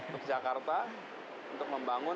ke jakarta untuk membangun